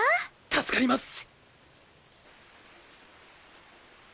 助かります！